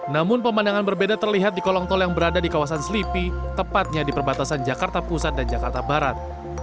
namun pemandangan berbeda terlihat di kolong tol yang berada di kawasan selipi tepatnya di perbatasan jakarta pusat dan jakarta barat